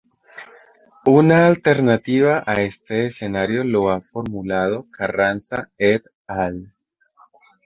Una alternativa a este escenario lo ha formulado Carranza et al.